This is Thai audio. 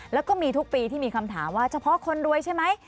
แล้วก็มีทุกปีที่มีคำถามว่าเฉพาะคนรวยใช่ไหม